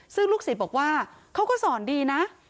ซึ่งลูกศิษย์บอกว่าเขาก็สอนดีนะ